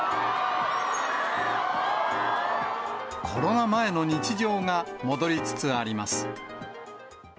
コロナ前の日常が戻りつつあります。